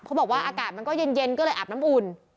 บอกว่าอากาศมันก็เย็นก็เลยอาบน้ำอุ่น